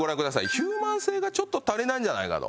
ヒューマン性がちょっと足りないんじゃないかと。